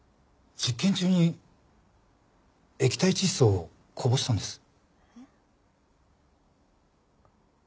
実験中に液体窒素をこぼしたんです。